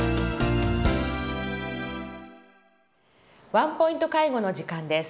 「ワンポイント介護」の時間です。